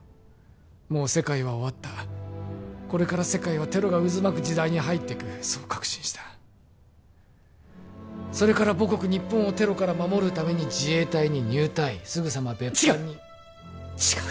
もう世界は終わったこれから世界はテロが渦巻く時代に入ってくそう確信したそれから母国日本をテロから守るために自衛隊に入隊すぐさま別班に違う！